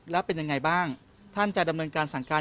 แล้วเป็นยังไงบ้างท่านจะดำเนินการสั่งการ